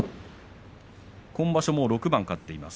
今場所６番勝っています。